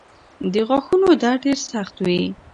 د غاښونو درد ډېر سخت وي.